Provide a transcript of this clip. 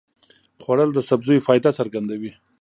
خوړل د سبزیو فایده څرګندوي